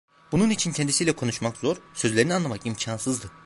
Bunun için kendisiyle konuşmak zor, sözlerini anlamak imkansızdı.